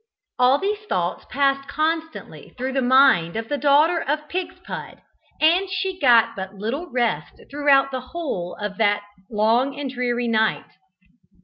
All these thoughts passed constantly through the mind of the daughter of Pigspud, and she got but little rest throughout the whole of that long and dreary night.